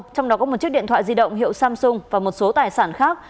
trong đó có một chiếc điện thoại di động hiệu samsung và một số tài sản khác